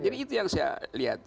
jadi itu yang saya lihat